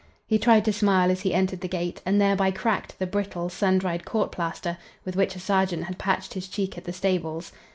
He tried to smile as he entered the gate, and thereby cracked the brittle, sun dried court plaster with which a sergeant had patched his cheek at the stables.